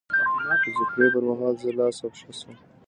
د جګړې پر مهال زه لاس او پښه شم.